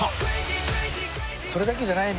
それだけじゃないのよ。